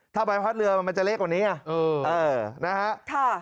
ถ้าใบพัดเรือมันจะเล็กกว่านี้ไงนะฮะ